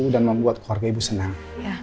dan membuat keluarga ibu senang